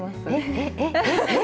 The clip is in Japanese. えっ？えっ？